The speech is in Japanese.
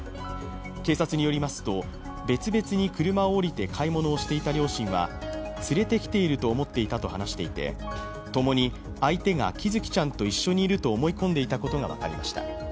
警察によりますと、別々に車を降りて買い物をしていた両親は連れてきていると思っていたと話していて、ともに相手が喜寿生ちゃんと一緒にいると思い込んでいたが分かりました。